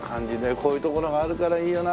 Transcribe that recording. こういう所があるからいいよな。